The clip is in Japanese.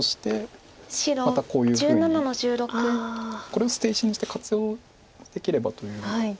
これを捨て石にして活用できればという。